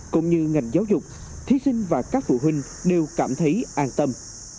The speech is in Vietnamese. cũng như ngành giáo dục thí sinh và các phụ huynh đều cảm thấy an tâm